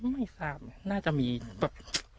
ไม่ทราบน่าจะมีแบบ